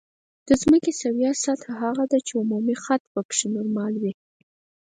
د ځمکې سویه سطح هغه ده چې عمودي خط پکې نورمال وي